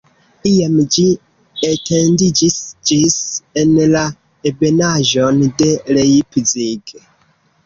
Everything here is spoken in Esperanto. Iam ĝi etendiĝis ĝis en la ebenaĵon de Leipzig.